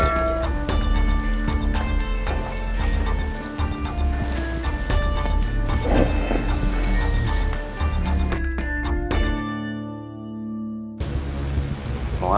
terima kasih pak